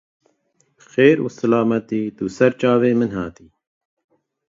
Bi xêr û silamet, tu ser çavên min hatî